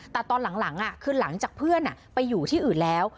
แต่ตอนหลังคือหลังจากเพื่อนไปอยู่ที่อื่นแล้ว